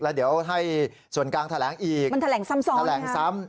แล้วเดี๋ยวให้ส่วนกลางแถลงอีกมันแถลงซ้ำสองแถลงซ้ำ